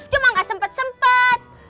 cuma nggak sempat sempat